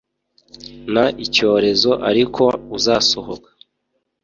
N icyorezo ariko uzasohoka